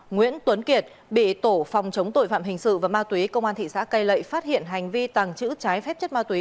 nguyễn tuấn kiệt bị tổ phòng chống tội phạm hình sự và ma túy công an thị xã cây lệ phát hiện hành vi tàng trữ trái phép chất ma túy